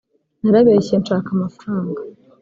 narabeshye nshaka amafaranga